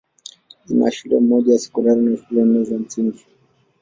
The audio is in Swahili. Ina shule moja ya sekondari na shule nne za msingi.